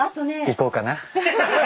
いこうかな？